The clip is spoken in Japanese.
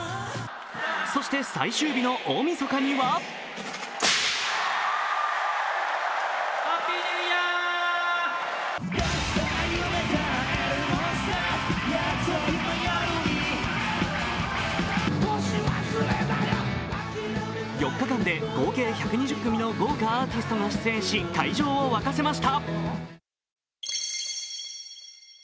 そして最終日の大みそかには４日間で合計１２０組の豪華アーティストが出演し会場を沸かせました。